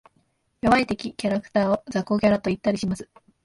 弱い敵キャラクターを雑魚キャラと言ったりします。